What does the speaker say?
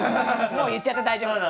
もう言っちゃって大丈夫！